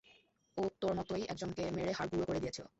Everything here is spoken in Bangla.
ও তোর মতোই একজনকে মেরে হাঁড় গুঁড়ো করে দিয়েছিল।